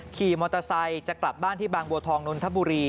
ขี่มอเตอร์ไซค์จะกลับบ้านที่บางบัวทองนนทบุรี